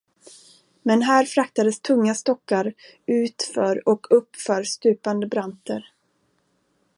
Men här fraktades tunga stockar utför och uppför stupande branter.